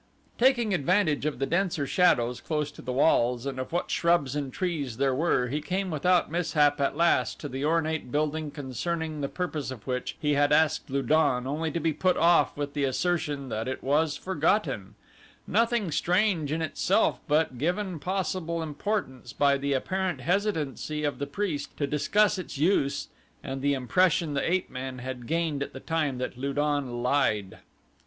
Taking advantage of the denser shadows close to the walls and of what shrubs and trees there were he came without mishap at last to the ornate building concerning the purpose of which he had asked Lu don only to be put off with the assertion that it was forgotten nothing strange in itself but given possible importance by the apparent hesitancy of the priest to discuss its use and the impression the ape man had gained at the time that Lu don lied.